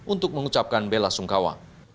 untuk mengucapkan bela sungkawa